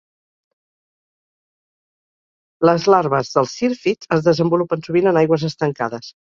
Les larves dels sírfids es desenvolupen sovint en aigües estancades.